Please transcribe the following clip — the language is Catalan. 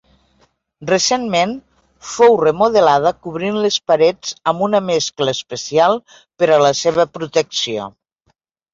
Recentment fou remodelada cobrint les parets amb una mescla especial per a la seva protecció.